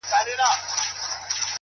زما او ستا په جدايۍ خوشحاله’